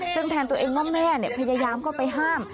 ซึ่งแทนตัวเองว่าแม่พยายามเข้าไปห้าม